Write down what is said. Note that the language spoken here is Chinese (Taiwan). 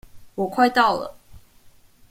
我快到了